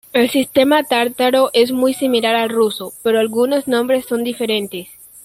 El sistema tártaro es muy similar al ruso, pero algunos nombres son diferentes.